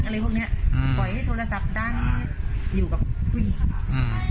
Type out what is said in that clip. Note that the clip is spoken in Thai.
อะไรพวกเนี้ยอ่าปล่อยให้โทรศัพท์ดังอยู่กับผู้หญิง